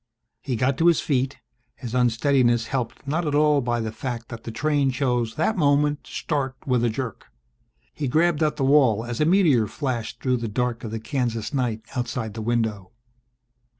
He got to his feet, his unsteadiness helped not at all by the fact that the train chose that moment to start with a jerk. He grabbed at the wall as a meteor flashed through the dark of the Kansas night outside the window.